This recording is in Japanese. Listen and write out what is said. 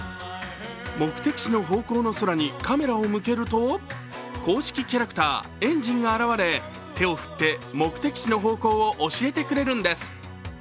目的地の方向の空にカメラを向けると公式キャラクター・えんじんが現れ手を振って目的地の方向を教えてくれるんです。